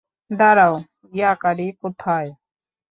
দাঁড়াও, ইয়াকারি কোথায়?